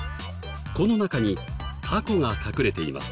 この中にタコが隠れています。